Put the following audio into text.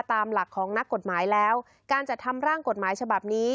ตามหลักของนักกฎหมายแล้วการจัดทำร่างกฎหมายฉบับนี้